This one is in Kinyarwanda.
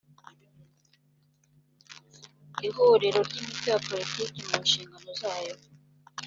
ihuriro ry imitwe ya politiki mu nshingano zayo